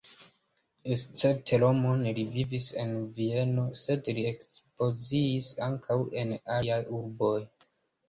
Escepte Romon li vivis en Vieno, sed li ekspoziciis ankaŭ en aliaj urboj.